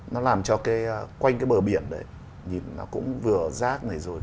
nó làm cho cái quanh cái bờ biển đấy nhìn nó cũng vừa rác này rồi